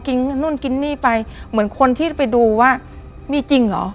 นู่นกินนี่ไปเหมือนคนที่ไปดูว่ามีจริงเหรอ